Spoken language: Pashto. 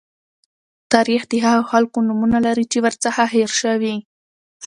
تاریخ د هغو خلکو نومونه لري چې ورڅخه هېر شوي.